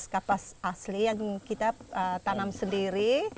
kapas asli yang kita tanam sendiri